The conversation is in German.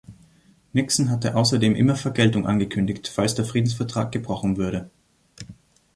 Nixon hatte außerdem immer Vergeltung angekündigt, falls der Friedensvertrag gebrochen würde.